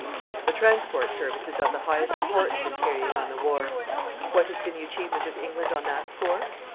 The Transport Service is of the highest importance in carrying on the war. What has been the achievement of England on that score?